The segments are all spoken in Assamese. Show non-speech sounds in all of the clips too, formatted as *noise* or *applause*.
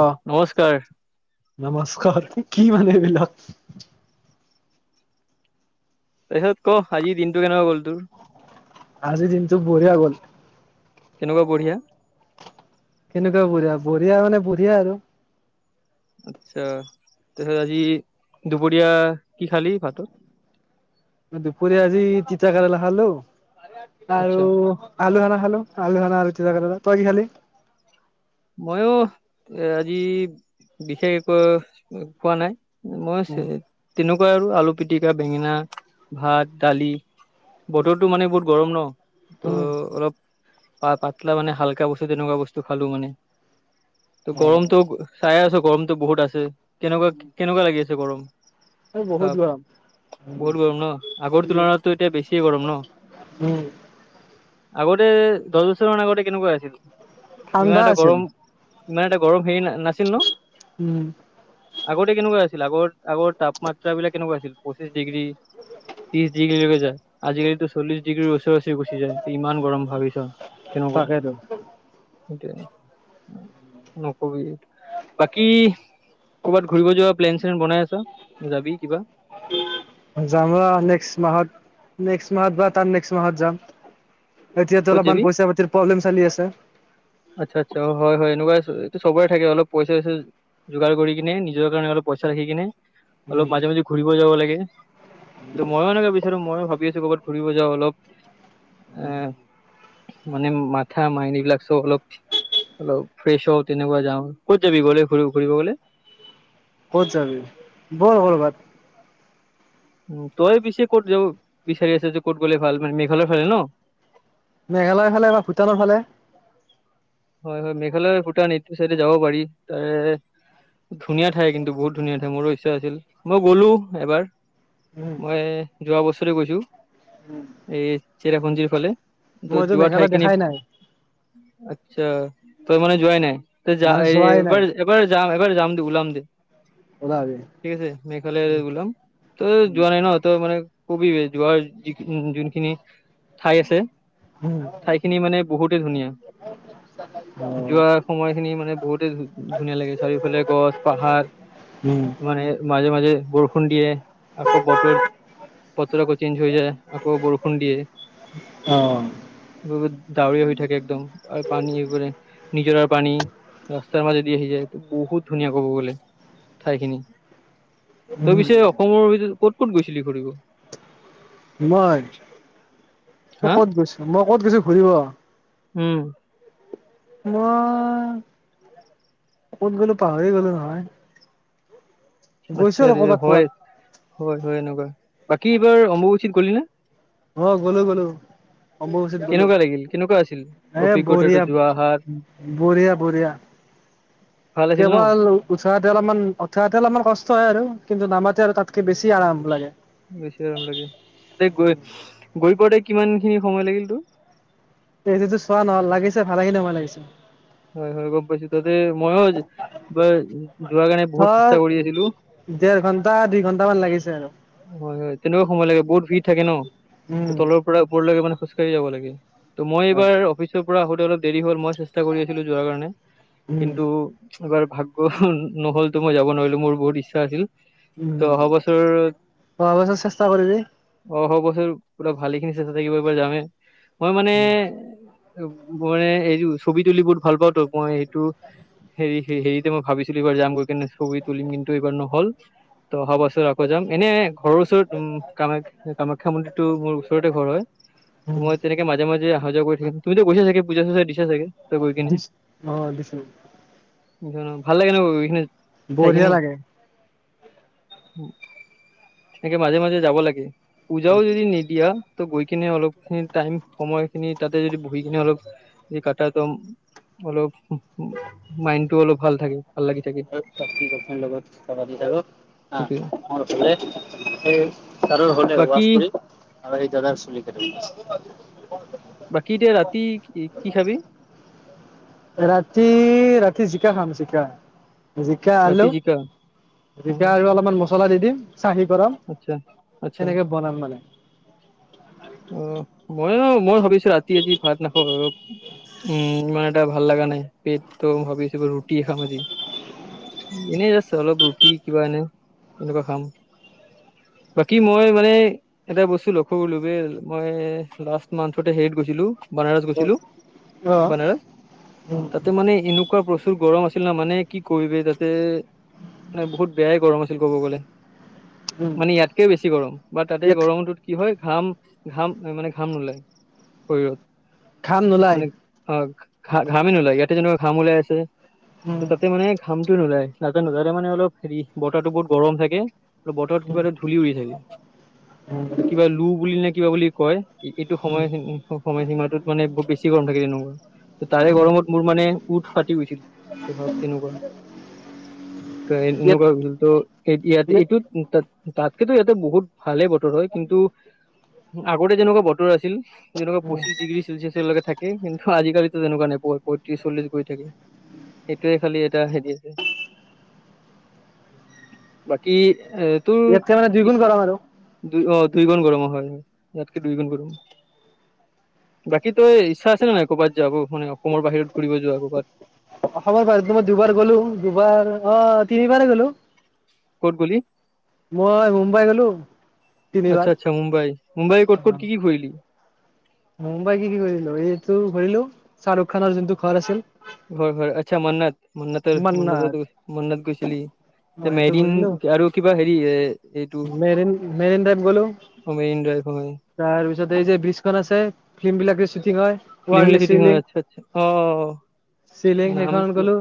অঁ নমস্কাৰ নমস্কাৰ কি মানে এবিলাক। তাৰপিছত ক' আজি দিনটো কেনেকে গ'ল তোৰ- আজি দিনটো বঢ়িয়া গ'ল্। কেনেকুৱা বঢ়িয়া? কেনেকুৱা বুঢ়িয়া বঢ়িয়া মানে বঢ়িয়া আৰু। আচ্ছা, তাৰ পিছত আজি দুপৰীয়া কি খালি ভাততো? দুপৰিয়া আজি তিতা কেৰেলা খালো আচ্ছা আৰু- আলু খানা খালো আলু খানা আৰু তিতাকেৰেলা তই কি খালি? ময়ো, এ আজি বিশেষ একো খোৱা নাই। মই উম তেনেকুৱাই আৰু আলু পিটিকা বেঙেনা ভাত দালি। বতৰটো মানে বহুত গৰম ন। ত' উম অলপ পা পাতলা মানে হাল্কা বস্তু তেনেকুৱা বস্তু খালো মানে। ত অ গৰমতটো চাইে আছোঁ গৰমতো বহুত আছে। কেনেকুৱা কেনেকুৱা লাগি আছে গৰম। এই বহুত ভাব- গৰম উম বহুত গৰম ন আগৰ তুলনাতো এতিয়া বেছি গৰম ন। উম আগতে দহ বছৰ মান আগতে কেনেকুৱা আছিল? ঠান্দা আছিল। নাই ইমান এটা গৰম হেৰি ন নাছিল ন। উম আগতে কেনেকুৱা আছিল আগৰ আগৰ তাপমাত্ৰা বিলাক কেনেকুৱা আছিল পঁচিশ ডিগ্ৰী - ত্ৰিছ ডিগ্ৰীলৈকে যায় আজিকালিতো চল্লিছ ডিগ্ৰী ওচ ওৰি গুচি যায়, ইমান গৰম ভাবিছা। কেনেকুৱা, তাকেতো এতিয়া নকবি। বাকী কৰ'ৰবাত ঘুৰিব যোৱা প্লেন চ্লেন বনাই আছা যাবি কিবা। যাম ৰহ নেক্সট মাহত নেক্সট মাহত বা তাৰ নেক্সট মাহত যাম। এতিয়াতো ক'ত অলপমান যাবি পইচা পাতিৰ প্ৰব্লেম চলি আছে। আচ্ছা আচ্ছা হয়ঁ হয়ঁ এনেকুৱা, এইটো চবৰে থাকে অলপ পইচা চইচা- যোগাৰ কৰি কিনে নিজৰ কাৰণে অলপ পইচা ৰাখি কিনে উম অলপ মাজে মাজে- ঘুৰিব যাব লাগে ত' ময়ো এনেকে বিচাৰো ময়ো ভাবি আছো ক'ৰবাত ঘুৰিব যাওঁ অলপ। এহ! মানে মাথা মাইন বিলাক চ'ব অলপ- হেল্লৌ! ফ্ৰেছ হও তেনেকুৱা যাওঁ ক'ত যাবি গ'লে ঘূৰি ঘূৰিব গ'লে? ক'ত যাবি বল ক'ৰবাত। উমঁ তই পিচে ক'ত যাব বিচাৰি আছ যে ক'ত গ'লে ভাল মে মেঘালয় ফালে ন। মেঘালয়ৰ ফালে বা ভূটানৰ ফালে। হয়ঁ হয়ঁ। মেঘালয় ভূটান এইটো চাই যাব পাৰি, তাৰে- ধুনীয়া ঠাই কিন্তু বহুত ধুনীয়া ঠাই। মোৰো ইচ্ছা আছিল মই গ'লো এবাৰ- উম, মই যোৱা বছৰে গৈছোঁ। এই চেৰাপুঞ্জিৰ ফাললে, ত মইতো জোৱা মেঘালয় ঠাইখিনি। দেখাই নাই, আচ্ছা ত মানে যোৱায় নাই তই যা মই যোৱাই নাই। বৰ- এবাৰ যাম। এবাৰ যাম দে ওলাম দে ওলাবি। ঠিক আছে। মেঘালয় ওলায়, তই যোৱা নাই ন, তই মান কবি বেহ, যোৱাৰ যি যোনখিনি ঠাই আছে। উম, ঠাই খিনি মানে বহুতে ধুনীয়া। *unintelligible* যোৱা সময়খিনি মানে বহুতেই ধুনীয়া লাগে, চাৰিওফালে গছ, পাহাৰ উম, তোমাৰ সেই মাজে মাজে বৰষুণ দিয়ে, আকৌ বতৰ বতৰ আকৌ চেঞ্জ হৈ যায়, আকৌ বৰষুণ দিয়ে। অহ'। ৰ'দ ডাৱৰীয়া হৈ থাকে একদম আৰু পানী এইবোৰে, নিজৰাৰ পানী। ৰাস্তাৰ মাজেদি আহি যায়, এইটো বহুত ধুনীয়া ক'ব গ'লে, ঠাইখিনি। তই উম, পিছে অসমৰ ভিতৰত ক'ত ক'ত গৈছিলি ঘুৰিব? মই, মই হা ক'ত গৈছো, মই ক'ত গৈছো ঘুৰিব উম। মই, ক'ত গ'লো পাহৰিয়ে গ'লো নহয়। গৈছো আচ্ছা আৰু দে ক'বাত হয়। ক'বাত। হয়, হয় এনেকুৱা, বাকী এইবাৰ অম্বুবাচীত গলি নে? অ', গ'লো গ'লো। অম্বুবাচীত গ'লো, কেনেকুৱা লাগিল কেনেকুৱা আছিল এ অভিজ্ঞতাটো বঢ়িয়া। যোৱা আহাৰ বঢ়িয়া, বঢ়িয়া। *unintelligible* ভাল আছিল ন কেৱল উঠাৱাতে অলপমান, উঠাৱাতে অলপমান কষ্ট হয় আৰু কিন্তু নামাতে আৰু তাতকে বেছি আৰাম লাগে। বেছি আৰাম লাগে, তাতে গৈ, গৈ পোৱাতে কিমানখিনি সময় লাগিল তোৰ। এইটোটো চোৱা নহ'ল। লাগিছে ভালেখিনি সময় লাগিছে। হয়, হয় গম পাইছো তাতে মইয়ো, এইবাৰ যোৱাৰ কাৰণে বহুত চেষ্টা কৰি আছিলো। দেৰ ঘণ্টা, দুই ঘণ্টামান লাগিছে আৰু। হয়, হয় তেনেকুৱা সময় লাগে বহুত ভিৰ থাকে ন, উম। তলৰ পৰা ওপৰলৈকে মানে খোজকাঢ়ি যাব লাগে। ত' মই এইবাৰ অফিচৰ পৰা আহোতে অলপ দেৰি হ'ল মই চেষ্টা কৰি আছিলো যোৱাৰ কাৰণে, উম কিন্তু এইবাৰ ভাগ্য নহ'লতো মই যাব নোৱাৰিলো, মোৰ বহুত ইচ্ছা আছিল। ত' উম, অহা বছৰ অহা বছৰ চেষ্টা কৰিবি। অহা বছৰ পুৰা ভালেখিনি চেষ্টা থাকিব এইবাৰ যামেই, মই মানে মইয়ে এই‌টো ছবি তুলি বহুত ভাল পাওঁটো মই এইটো, হেৰি হে-হেৰিটো মই ভাবিছিলো এইবাৰ যাম, গৈ কেনে ছবি তুলিম কিন্তু এইবাৰ নহ'ল। ত' অহা বছৰ আকৌ যাম, এনে ঘৰৰ ওচৰত উম, কামা-কামাখ্যা মন্দিৰটো মোৰ ওচৰতে ঘৰ হয়, ত' উম মই তেনেকে মাজে মাজে যে অহা যোৱা কৰি থাকিম, তুমিতো গৈছা চাগে পূজা-চূজা দিছা চাগে, তাতে গৈ কিনে। দিছ অ দিছো *inaudible* ভাল লাগে ন গৈখিনে? বঢ়িয়া লাগে। সেনেকে মাজে মাজে যাব লাগে, পূজাও যদি নিদিয়া ত' গৈ কিনে অলপখিনি টাইম, সময় খিনি তাতে যদি বহি কিনে অলপ কাটা তুম অলপ উম, উম মাইণ্ডটো অলপ ভাল থাকে, ভাল লাগি থাকে। *inaudible* মোৰ লগত চাবা দি থাকো, সেইটোৱে মোৰ ফালে, সেই কাটাৰ হ'লে বাকী ৱাছ কৰিম আৰু এই দাদাৰ চুলি কাটিবলৈ আছে। বাকী এতিয়া ৰাতি, কি কি খাবি? ৰাতি, ৰাতি জিকা খাম জিকা। জিকা আলু, ৰাতি জিকা অ জিকা আৰু অলপমান মছলা দি দিম, চাহি গৰম। আচ্ছা আচ্ছা। সেনেকে বনাম মানে। অ মইয়ো মই ভাবিছো ৰাতি আজি ভাত নাখাওঁ আৰু। উম ইমান এটা ভাল লাগা নাই পেটটো ভাবিছোঁ ৰুটিয়ে খাম আজি এনেই জাষ্ট অলপ ৰুটি কিবা এনে এনেকুৱা খাম। বাকী মই মানে এটা বস্তু লক্ষ্য কৰিলো যে মই লাষ্ট মান্থতে হেৰিত গৈছিলোঁ। বানাৰস গৈছিলো অ বানাৰস উম তাতে মানে এনে কুৱা প্ৰচুৰ গৰম আছিল না মানে কি কৰিবি তাতে মানে বহুত বেয়াই গৰম আছিল ক'ব গ'লে। উম মানে ইয়াতকেও বেছি গৰম বা তাতে ইয়াত গৰমত কি হয় ঘাম ঘাম মানে ঘাম নোলায় ঘাম শৰীৰত। নোলাই মানে অ ঘা ঘামেই নোলায় ইয়াতে যেনেকুৱা ঘাম ওলাই আছে। ত উম। তাতে মানে ঘামটো নোলায় নাজানো মানে অলপ হেৰি বতৰটো বহুত গৰম থাকে। বতৰত কিবা উম, এটা ধূলি উৰি থাকে এ কিবা লো বুলি নে কিবা বুলি কয়। এইটো উম, সময় সময় সীমাটোত মানে বহুত বেছি গৰম লাগে তেনেকুৱা। তাৰে গৰমত মোৰ মানে উঠ ফাটি গৈছিল ভাৱ কেনেকুৱা। ত ইয়াত এনেকুৱা হলেতো তো ইয়াত এইটোত তাত তাতকৈতো ইয়াতে বহুত ভালেই বতৰ হয় কিন্তু আগতে যেনেকুৱা বতৰ আছিল। যেনেকুৱা উম, পঁচিশ ডিগ্ৰী চেলচিয়াছৰলৈকে থাকে কিন্তু আজিকালি তেনেকুৱা নেপোৱা পঁইত্ৰিছ চল্লিশ হৈ থাকে। সেইটোৱে খালি এটা হেৰি আছে বাকী এ তোৰ ইয়াতকে মানে দুই গুণ গৰম আৰু। দুই অ দুই গুণ গৰম হয় ইয়াতকে দুই গুণ গৰম। বাকী তোৰ ইচ্ছা আছে নাই ক'ৰবাত যাব মানে অসমৰ বাহিৰত ঘুৰিব যোৱা ক'ৰবাত? অসমৰ বাহিৰতো মই দুবাৰ গ'লো দুবাৰ অ তিনিবাৰে গ'লো। ক'ত গলি? মই মুম্বাই গ'লো আচ্ছা তিনিবাৰ। আচ্ছা মুম্বাই। মুম্বাই ক'ত ক'ত কি কি ঘূৰিলি? মুম্বাই কি কি ঘূৰিলো এইটো ঘূৰিলো শ্বাৰুখানৰ যোনটো ঘৰ আছিল। হয় হয় আচ্ছা মান্নত মান্নত মান্নত মান্নাত। মান্নত গৈছিলি। এ অ' সেইটো মেৰিন ঘূৰিলো আৰু কিবা হেৰি এ এইটো মেৰিন মেৰিন ড্ৰাইভ গ'লো। মেইন ড্ৰাইভ হয় তাৰপিছত এই যে ব্ৰীজখন আছে ফিল্ম বিলাকৰ শ্বুটিং হয়। ফিল্ম ৱলি চিটি চিলিং হয় আচ্ছা আচ্ছা অ চিলিং সেইখনত নামটো গলো।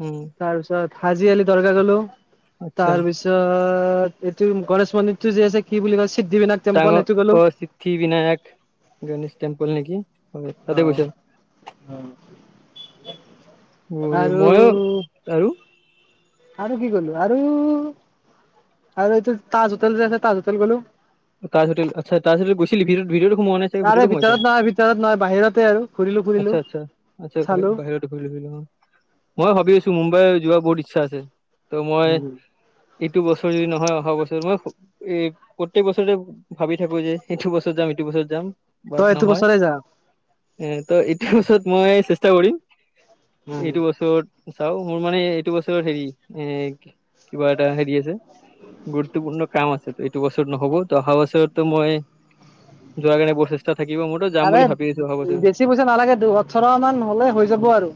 উম, তাৰপিছত হাজি আলি দৰকাৰ গলো আচ্ছা তাৰপিছত ত এইটো গণেশ মন্দিৰটো যে আছে কি বুলি কয় সিদ্ধি বিনায়ক ডাঙৰ সিদ্ধি বিনায়ক গণেশ টেম্পল নেকি। হয় তাতে গৈছা। উ ৰে আৰু মইয়ো আৰু আৰু কি গলো আৰু আৰু এইটো তাজ হোটেল যে আছে তাজ হোটেল গ'লো তাজ হোটেল আচ্ছা তাজ হোটেল গৈছিলি ভিতৰত সোমোৱা নাই তাৰে ভিতৰতো সোমাইছ ভিতৰত নহয় ভিতৰত নহয় বাহিৰতে আৰু ঘূৰিলো ফুৰিলো আচ্ছা আচ্ছা আচ্ছা আচ্ছা চালো। বাহিৰত। মই ভাবি আছো মুম্বাই যোৱা বহুত ইচ্ছা আছে ত' মই এইটো বছৰে নহয় অহা বছৰ মই এই প্ৰত্যেক বছৰেতে ভাবি থাকো যে এইটো বছৰত যাম ইটো বছৰত যাম বাট তই এইটো নহয়। বছৰে যা। এ ত এইটো বছৰত মই চেষ্টা কৰিম এইটো বছৰত চাওঁ মোৰ মানে এইটো বছৰ হেৰি এ কিবা এটা হেৰি আছে গুৰুত্বপূৰ্ণ কাম আছে এইটো বছৰ। নহব ত অহা বছৰটোৰ মই যোৱা কাৰনে প্ৰচেষ্টা থাকিব মোৰ। আৰে বেছি পইচা নালাগে দুই উঠৰ মান হ'লে হৈ যাব আৰু।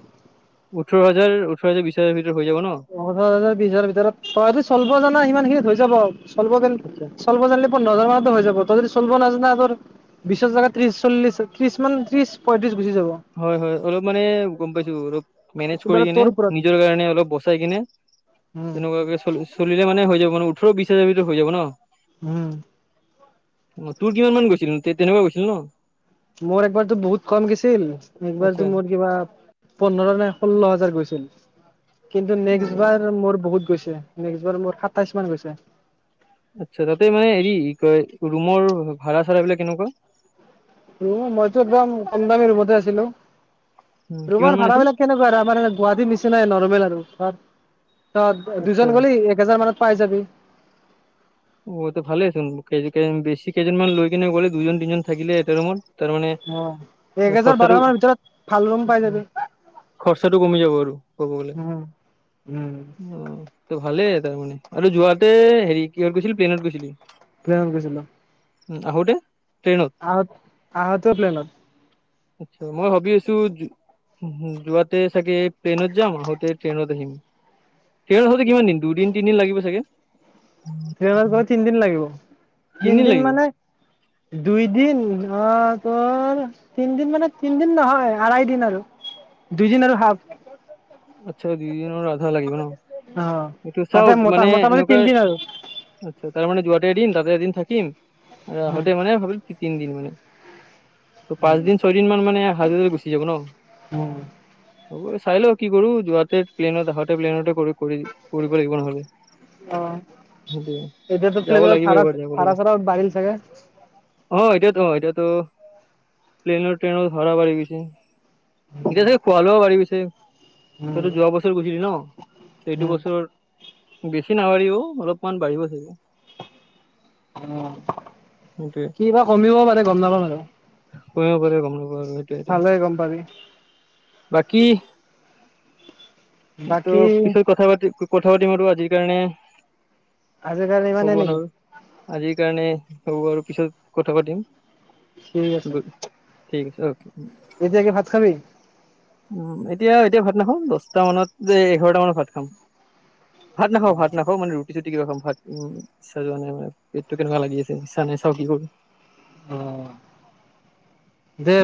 ওঠৰ হাজাৰ ওঠৰ হাজাৰ বিশ হাজাৰ ভিতৰত হৈ যাব ন। পন্ধৰ হাজাৰ বিশ হাজাৰ ভিতৰত তইটো চল জনা সিমান খিনি হৈ যাব চলব আচ্ছা চলব জানিলে। পোন্ধহাজাৰ মানতে হৈ যাব ত‌ই যদি চলব নাজান তোৰ। বিশৰ জেগাত ত্ৰিশ চল্লিশ ত্ৰি ম ত্ৰিশ পঁয়ত্ৰিশ গুচি যাব। হয় হয় অলপ মানে গম পাইছো অলপ। মেনেজ এইবাৰ কৰি কিনে তোৰ ওপৰত নিজৰ কাৰণে অলপ বচাই কিনে উম তেনেকুৱাকে চলি। চলিলে মানে হৈ যাব আৰু উঠৰ বিশ হাজাৰ ভিতৰত হৈ যাব ন। উম। অ তোৰ কিমান মান গৈছিল তেনেকুৱা গৈছিল ন। মোৰ একবাৰতো বহুত কম গৈছিল আচ্ছা একবাৰতো মোৰ কিমান। পোন্ধৰ নাই ষোল্ল হাজাৰ গৈছিল কিন্তু অ নেক্সট বাৰ মোৰ বহুত গৈছে। নেক্সটবাৰ মোৰ সাতাইছ মান গৈছে। আচ্ছা তাতে মানে হেৰি কয় ৰুমৰ ভাড়া চা়ৰা বিলাক কেনেকুৱা। উ মইতো একদম কম দামী ৰুমতে আছিলোঁ উম কিমান ৰুমৰ মান ভাড়া আছিল বিলাক। কেনেকুৱা আৰু আমাৰ গুৱাহাটীৰ নিচিনাই নৰৰ্মেল আৰু ধৰা তাত আচ্ছা দুজন গলি এক হেজাৰ মানত। পাই যাবি। টো ভালে আচোন বেছি কেইজন মান লৈ কিনে গ'লে দুজন তিনিজন থাকিলে এটা ৰুমত। তাৰ মানে এক হেজাৰ বাৰশ খৰচাটো। মানৰ ভিতৰত ভাল ৰুম পাই যাবি খৰচাটো কমি যাব আৰু ক'ব গ'লে উম উম, অ। ত ভালে তাৰ মানে আৰু যোৱাতে হেৰি কিহত গৈছিলোঁ প্লেনত গৈছিলোঁ। প্লেনত গৈছিলোঁ। উম আহোতে ট্ৰেনত। আহ আহোতো ট্ৰেনত। মই ভাবি আছোঁ। যোৱাতে চাগে প্লেনত যাম আহোতে ট্ৰেইনত আহিম। সেয়া হ'লে কিমান দিন দুদিন তিদিন লাগিব চাগে। ট্ৰেনত গ'লে তিনদিন লাগিব তিনিদিন তিনদিন লাগিব মানে। দুইদিন ধৰা তোৰ। তিনদিন মানে তিনদিন নহয় আঢ়াই দিন আৰু দুইদিন আৰু হাফ। আচ্ছা দুই দিনৰ আধা লাগিব ন। অ এইটো চাও মতে ম মানে মোটামুটি এনেকুৱা তিনিদিন আৰু। আচ্ছা তাৰ মানে যোৱাতে এদিন তাতে এদিন থাকিম আ আহোতে মানে ভাবিল তিনদিন মানে। ত পাঁচদিন ছয়দিন মান মানে হাজ হাজাৰ গুচি যাব ন। উম হ'ব চাই লও কি কৰো যোৱাতে প্লেনত আহাতে প্লেনতে কৰিব লাগিব নহ'লে। অ সেইটোৱে এতিয়াতো যাব প্লেনত লাগিব এবাৰ যাব ভাড়া লাগিব চাৰা বাহিল চাগে। অ এতিয়াতো অ এতিয়াতো প্লেনৰ ট্ৰেইনৰ ধৰা ভাড়া বাঢ়ি গৈছে। এতিয়া চাগে খোৱা-লোৱাও বাঢ়ি পিছে তই উম যোৱা বছৰ গৈছিলি ন এইটো উম বস্তু। বেছি নাবঢ়িও অলপমান বাঢ়িব চাগে। অ সেইটোৱে কি বা কমিব পাৰে গম নাপাওঁ মানে। কৰিব পাৰিব গম নাব আৰু সেইটো চালে গম পাবি সেইটো বাকী। ত' বাকী পিছত কথা পাতিম কথা পাতিম আৰু আজিৰ কাৰণে। আজিৰ কাৰণে ক'ব ইমানেই নেকি নাজানো আজিৰ কাৰণে হ'ব আৰু পিছত কথা পাতিম। ঠিক আছে গ ঠিক আছে অ। এতিয়া কি ভাত খাবি। উম, এতিয়া এতিয়া ভাত নাখাওঁ দহটা মানত যে এঘাৰটা মানত ভাত খাম। ভাত অ নাখাওঁ, ভাত নাখাওঁ মানে ৰু *unintelligible* কিবা ভাতটো ইচ্ছা যোৱা নাই মোৰ পেটটো কেনেকুৱা লাগি আছে ইচ্ছা নাই চাওঁ কি কৰোঁ। অ',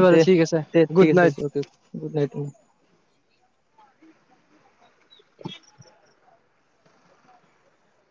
বাৰু দে, ঠিক আছে দে ঠিক গুড আছে দে নাইট অকে। গুড নাইটো।